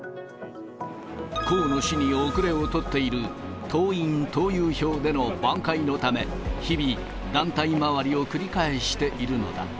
河野氏に後れを取っている党員・党友票での挽回のため、日々、団体回りを繰り返しているのだ。